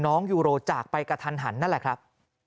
น้องยูโรจากไปกับธรรมหนนั้นแหละครับ